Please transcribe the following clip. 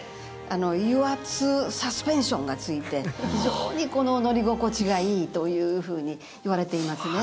油圧サスペンションがついて非常に乗り心地がいいというふうにいわれていますね。